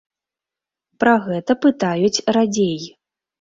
Пра гэта пытаюць радзей.